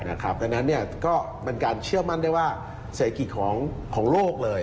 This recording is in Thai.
ดังนั้นก็เป็นการเชื่อมั่นได้ว่าเศรษฐกิจของโลกเลย